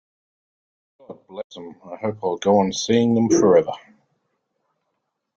God bless 'em, I hope I'll go on seeing them forever.